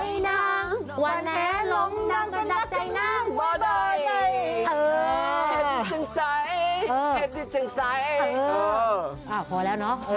พอแล้วเนอะ